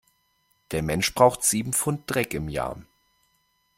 Der Mensch braucht sieben Pfund Dreck im Jahr.